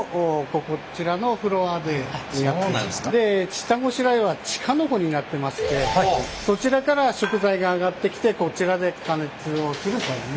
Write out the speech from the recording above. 下ごしらえは地下の方になってましてそちらから食材が上がってきてこちらで加熱をするという。